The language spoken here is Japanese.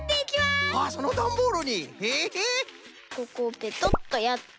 ここをペトッとやって。